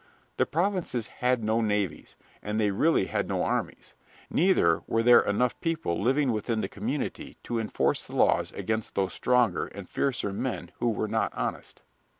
The provinces had no navies, and they really had no armies; neither were there enough people living within the community to enforce the laws against those stronger and fiercer men who were not honest.